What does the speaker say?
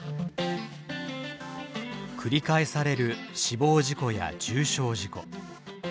繰り返される死亡事故や重傷事故。